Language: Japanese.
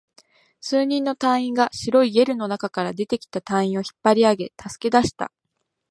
数人の隊員が白いゲルの中から出てきた隊員を引っ張り上げ、助け出した